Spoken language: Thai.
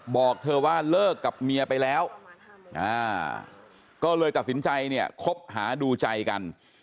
บอกเธอว่าเลิกกับเมียไปแล้วก็เลยตัดสินใจเนี่ยคบหาดูใจกัน